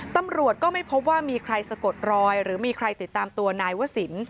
ตำรวจก็ไม่พบว่ามีใครสะกดรอยหรือมีใครติดตามตัวนายวศิลป